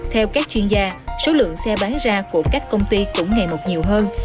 theo các chuyên gia số lượng xe bán ra của các công ty cũng ngày một nhiều hơn